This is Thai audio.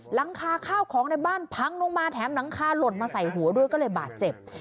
หลังคาข้าวของในบ้านพังลงมาแถมหลังคาหล่นมาใส่หัวด้วยก็เลยบาดเจ็บ